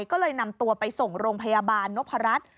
ก็เลยนำตัวไปส่งโรงพยาบาลนพรัช